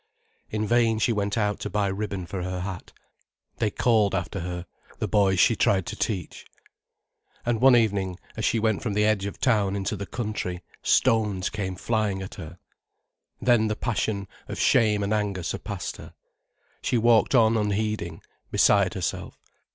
In vain she went out to buy ribbon for her hat. They called after her, the boys she tried to teach. And one evening, as she went from the edge of the town into the country, stones came flying at her. Then the passion of shame and anger surpassed her. She walked on unheeding, beside herself.